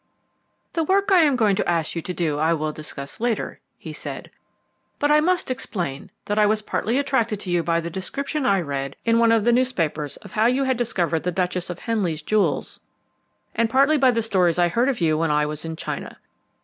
"The work I am going to ask you to do I will discuss later," he said. "But I must explain, that I was partly attracted to you by the description I read in one of the newspapers of how you had recovered the Duchess of Henley's jewels and partly by the stories I heard of you when I was in China.